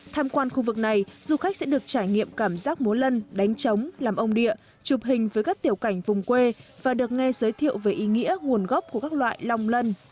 tham quan khu vực này du khách sẽ được trải nghiệm cảm giác múa lân đánh trống làm ông địa chụp hình với các tiểu cảnh vùng quê và được nghe giới thiệu về ý nghĩa nguồn gốc của các loại lòng lân